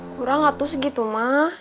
kurang atuh segitu mah